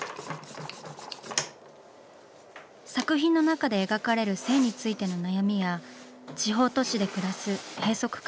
作品の中で描かれる「性」についての悩みや地方都市で暮らす閉塞感。